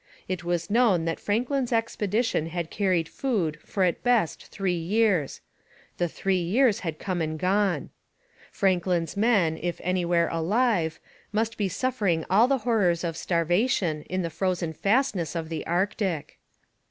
It was known that Franklin's expedition had carried food for at best three years: the three years had come and gone. Franklin's men, if anywhere alive, must be suffering all the horrors of starvation in the frozen fastness of the Arctic.